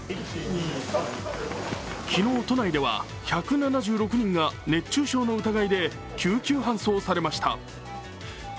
昨日、都内では１７６人が熱中症の疑いで救急搬送されました。